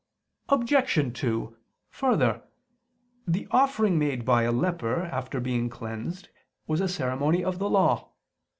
Obj. 2: Further, the offering made by a leper after being cleansed was a ceremony of the Law.